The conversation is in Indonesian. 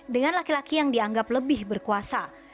dengan laki laki yang dianggap lebih berkuasa